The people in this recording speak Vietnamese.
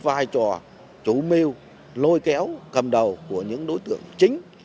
và làm rõ vai trò chú mêu lôi kéo cầm đầu của những đối tượng chính